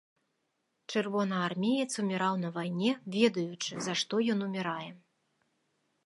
Чырвонаармеец уміраў на вайне, ведаючы, за што ён умірае.